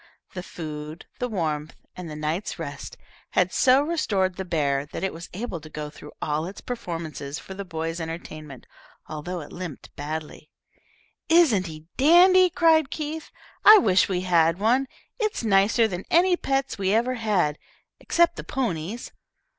The food, the warmth, and the night's rest had so restored the bear that it was able to go through all its performances for the boys' entertainment, although it limped badly. "Isn't he a dandy?" cried Keith; "I wish we had one. It's nicer than any pets we ever had, except the ponies.